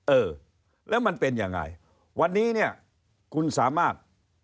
เออแล้วมันเป็นยังไงวันนี้เนี่ยคุณสามารถ